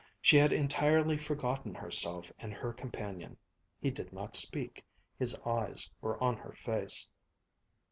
She had entirely forgotten herself and her companion. He did not speak. His eyes were on her face.